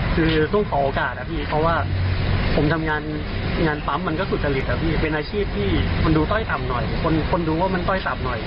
คือต้องขอโอกาสเพราะว่าผมทำงานปั๊มมันก็สุจริตครับเป็นอาชีพที่มันดูต้อยต่ำหน่อย